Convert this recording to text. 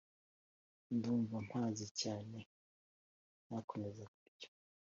ndumva mpaze cyane ntakomeza kurya